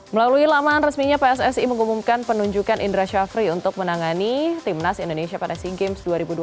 melalui laman resminya pssi mengumumkan penunjukan indra syafri untuk menangani timnas indonesia pada sea games dua ribu dua puluh